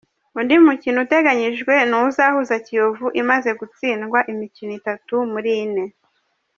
Undi mukino uteganyijwe ni uzahuza Kiyovu imaze gutsindwa imikino itatu muri ine.